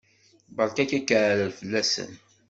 Berka akaɛrer fell-asen!